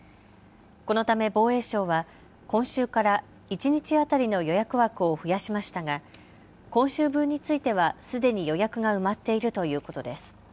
このため防衛省は今週から一日当たりの予約枠を増やしましたが今週分については、すでに予約が埋まっているということです。